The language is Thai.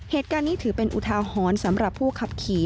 เหตุการณ์นี้ถือเป็นอุทาหรณ์สำหรับผู้ขับขี่